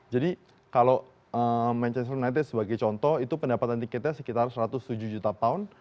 jadi kalau manchester united sebagai contoh itu pendapatan tiketnya sekitar satu ratus tujuh juta pound